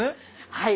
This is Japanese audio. はい。